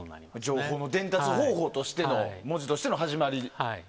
情報の伝達方法としての文字としての始まりと。